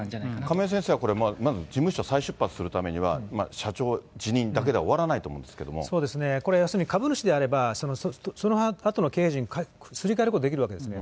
亀井先生は事務所再出発するためには社長辞任だけでは終わらそうですね、これは要するに株主であれば、そのあとの刑事にすり替えることができるわけですね。